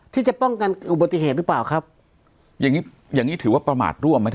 ที่จะป้องกันอุบัติเหตุหรือเปล่าครับอย่างงี้อย่างงี้ถือว่าประมาทร่วมไหม